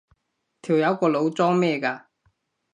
條友個腦裝咩㗎？